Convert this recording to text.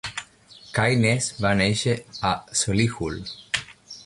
Caines va néixer a Solihull.